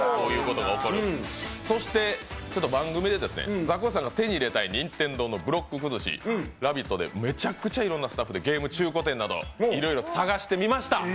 番組でザコシさんが手に入れたい任天堂の「ブロック崩し」「ラヴィット！」でめちゃくちゃいろんなスタッフでゲーム中古店とかで探してみました。